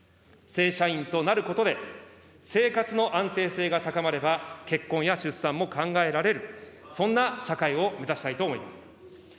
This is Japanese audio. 正社員となることで、生活の安定性が高まれば、結婚や出産も考えられる、そんな社会を目指したいと思います。